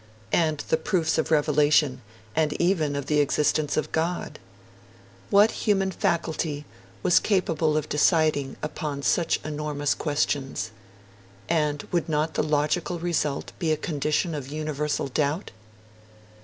And the proofs of revelation, and even of the existence of God? What human faculty was capable of deciding upon such enormous questions? And would not the logical result be a condition of universal doubt?